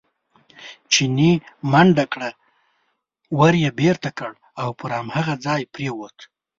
چیني منډه کړه، ور یې بېرته کړ او پر هماغه ځای پرېوت.